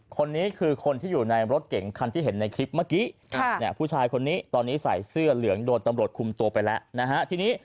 คนนี้คือคนที่อยู่ในรถเก่งคันที่เห็นในคลิปเมื่อกี้ผู้ชายคนนี้ตอนนี้ใส่เสื้อเหลืองโดนตำรวจคุมตัวไปแล้วนะฮะทีนี้